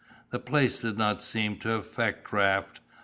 The place did not seem to affect Raft.